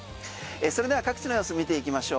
それでは各地の様子見ていきましょう。